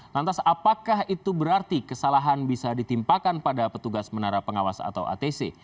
lantas apakah itu berarti kesalahan bisa ditimpakan pada petugas menara pengawas atau atc